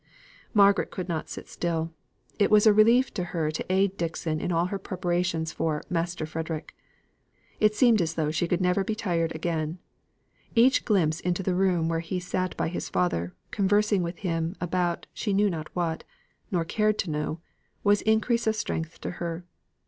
Margaret could not sit still. It was a relief to her to aid Dixon in all her preparations for "Master Frederick." It seemed as though she never could be tired again. Each glimpse into the room where he sate by his father, conversing with him, about, she knew not what, nor cared to know, was increase of strength to her.